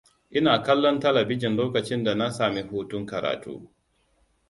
Ina kallon talabijin lokacin da na sami hutun karatu.